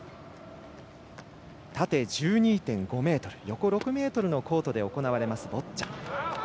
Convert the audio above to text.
縦１２．５ｍ、横６ｍのコートで行われます、ボッチャ。